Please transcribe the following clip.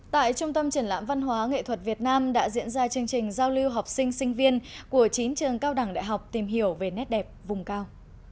tại trung tâm triển lãm văn hóa nghệ thuật việt nam đã diễn ra chương trình giao lưu học sinh sinh viên của chín trường cao đẳng đại học tìm hiểu về nét đẹp vùng cao